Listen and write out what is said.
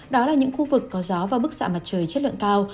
đó là những khu vực có gió và bức xạ mặt trời chất lượng cao